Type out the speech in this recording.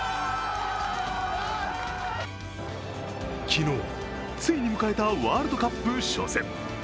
昨日、ついに迎えたワールドカップ初戦。